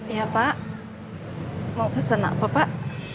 iya pak mau pesen apa pak